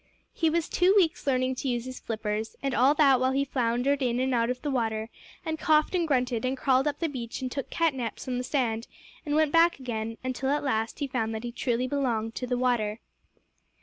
He was two weeks learning to use his flippers; and all that while he floundered in and out of the water, and coughed and grunted and crawled up the beach and took catnaps on the sand, and went back again, until at last he found that he truly belonged to the water.